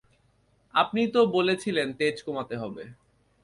আপনিই তো বলেছিলেন তেজ কমাতে হবে।